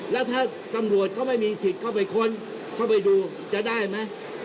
แล้วถ้าตำรวจเขาไม่มีสิทธิ์เข้าไปค้นเข้าไปดูจะได้ไหม